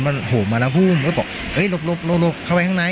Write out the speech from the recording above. ลงเลยมาโหมมาแล้ววู้มแล้วก็บอกหรูปเข้ากลัวไว้ข้างใน